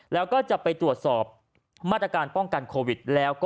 แล้วก็จะไปตรวจสอบมาตรการป้องกันโควิดแล้วก็